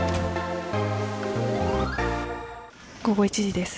午後１時です。